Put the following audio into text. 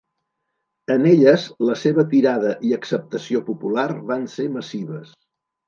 En elles la seva tirada i acceptació popular van ser massives.